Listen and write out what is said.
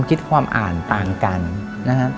คิดความอ่านต่างกันนะครับ